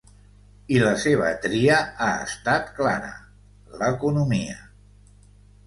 I la seva tria ha estat clara: l’economia.